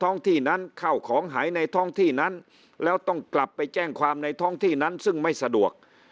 ที่นั้นเข้าของหายในท้องที่นั้นแล้วต้องกลับไปแจ้งความในท้องที่นั้นซึ่งไม่สะดวก